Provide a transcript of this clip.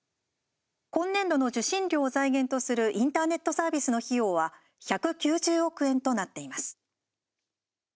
今年度の受信料を財源とするインターネットサービスの費用は１９０億円となっています。